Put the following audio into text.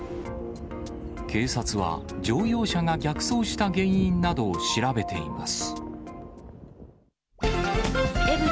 警察は、乗用車が逆走した原因などを調べています。